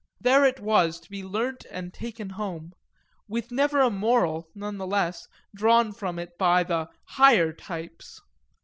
There it was to be learnt and taken home with never a moral, none the less, drawn from it by the "higher types."